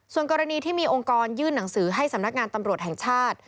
ส่วนกรณีที่มีองค์กรยื่นหนังสือให้สำนักงานตำรวจแห่งชาติ